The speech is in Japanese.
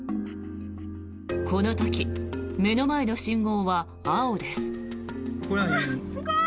この時、目の前の信号は青です。